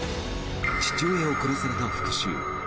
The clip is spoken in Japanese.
父親を殺された復しゅう。